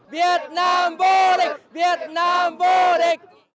việt nam vô địch việt nam vô địch